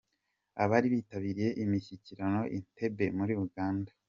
Abari bitabiriye imishyikirano Entebbe muri Uganda